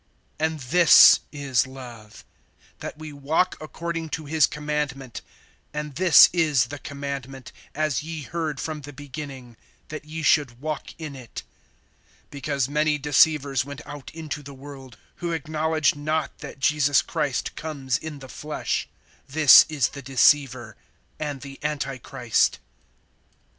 (6)And this is love, that we walk according to his commandment; and this is the commandment, as ye heard from the beginning, that ye should walk in it. (7)Because many deceivers went out into the world, who acknowledge not that Jesus Christ comes in the flesh. This is the deceiver, and the antichrist.